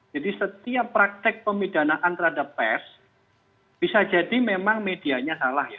jadi setiap praktek pemidanaan terhadap pers bisa jadi memang medianya salah ya